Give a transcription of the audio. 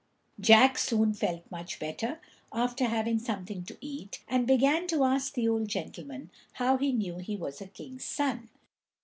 Jack soon felt much better after having something to eat, and began to ask the old gentleman how he knew he was a king's son.